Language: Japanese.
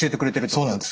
そうなんです。